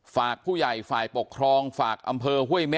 ฝากผู้ใหญ่ฝ่ายปกครองฝากอำเภอห้วยเม